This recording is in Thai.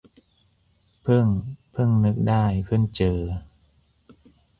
เพิ่ง - เพิ่งนึกได้ เพิ่งเจอ